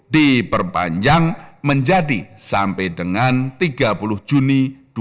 diperpanjang menjadi sampai dengan tiga puluh juni dua ribu dua puluh